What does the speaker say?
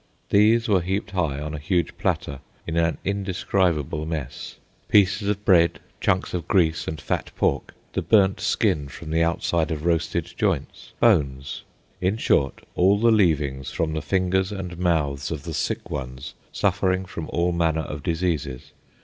These were heaped high on a huge platter in an indescribable mess—pieces of bread, chunks of grease and fat pork, the burnt skin from the outside of roasted joints, bones, in short, all the leavings from the fingers and mouths of the sick ones suffering from all manner of diseases.